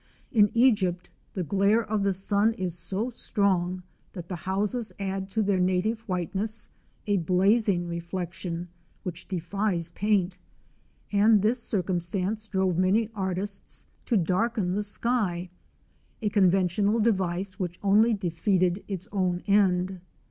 In Egypt, the glare of the sun is so strong that the houses add to their native whiteness a blazing reflection which defies paint, and this circumstance drove many artists to darken the sky â a conventional device which only defeated its own end.